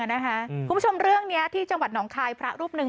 คุณผู้ชมเรื่องนี้ที่จังหวัดหนองคายพระรูปหนึ่ง